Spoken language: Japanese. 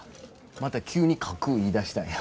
また急に書く言いだしたんや。